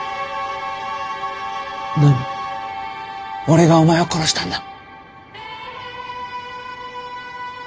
俺がお前を殺したんだ。